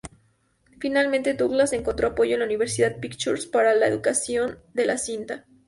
Finalmente, Douglas encontró apoyo en Universal Pictures para la producción de la cinta.